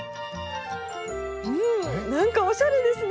うんなんかおしゃれですね！